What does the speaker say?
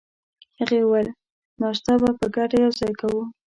هغې وویل: ناشته به په ګډه یوځای کوو.